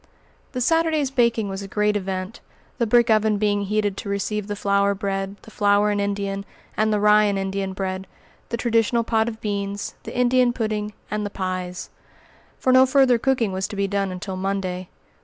The Saturday's baking was a great event, the brick oven being heated to receive the flour bread, the flour and Indian, and the rye and Indian bread, the traditional pot of beans, the Indian pudding, and the pies; for no further cooking was to be done until Monday.